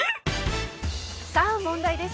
「さあ問題です」